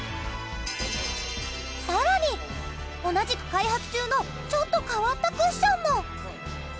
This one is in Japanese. さらに同じく開発中のちょっと変わったクッションも！